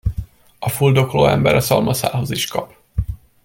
A fuldokló ember a szalmaszálhoz is kap.